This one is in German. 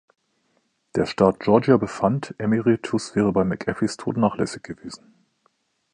Der Staat Georgia befand, Emeritus wäre bei McAfees Tod nachlässig gewesen.